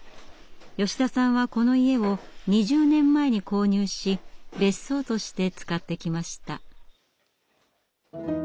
吉田さんはこの家を２０年前に購入し別荘として使ってきました。